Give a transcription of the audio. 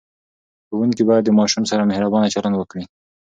ښوونکي باید د ماشوم سره مهربانه چلند وکړي.